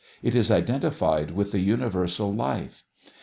It is identified with the universal life.